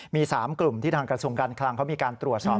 มี๓กลุ่มที่ทางกระทรวงการคลังเขามีการตรวจสอบ